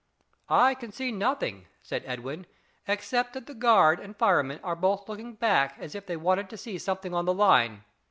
"I can see nothing," said Edwin, "except that the guard and fireman are both looking back as if they wanted to see something on the line.